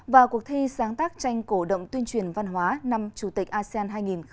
và cuộc thi sáng tác tranh cổ động tuyên truyền văn hóa năm chủ tịch asean hai nghìn hai mươi